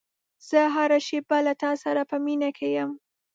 زه هره شېبه له تا سره په مینه کې یم.